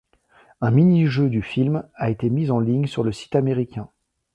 Un mini jeu du film a été mis en ligne sur le site américain.